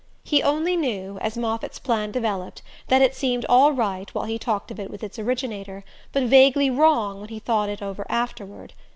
He only knew, as Moffatt's plan developed, that it seemed all right while he talked of it with its originator, but vaguely wrong when he thought it over afterward.